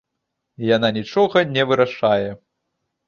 Яна нічога не вырашае.